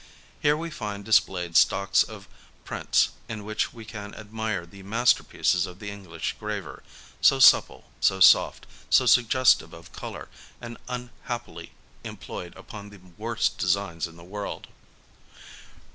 Here we find displayed stocks of prints in which we can admire the masterpieces of the English graver, so supple, so soft, so suggestive of colour, and un happily employed upon the worst designs in the world.